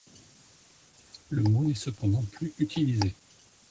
Le mot n'est cependant plus utilisé.